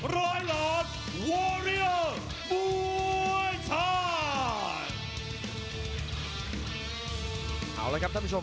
รอยลานวอร์เรียมุเวทัน